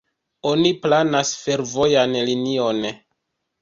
Oni planas fervojan linion.